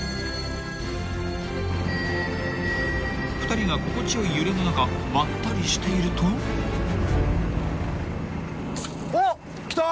［２人が心地よい揺れの中まったりしていると］きた？